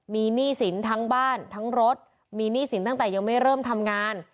มีหนี้สินทั้งบ้านทั้งรถมีหนี้สินตั้งแต่ยังไม่เริ่มทำงาน